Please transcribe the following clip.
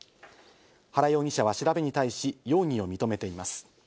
原容疑者は調べに対し容疑を認めています。